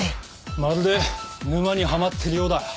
まるで沼にはまってるようだ。